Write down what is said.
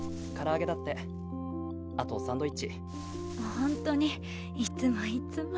ホントにいつもいつも。